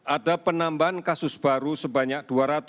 ada penambahan kasus baru sebanyak dua ratus delapan puluh dua